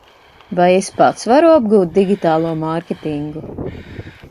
Vai es pats varu apgūt digitālo mārketingu?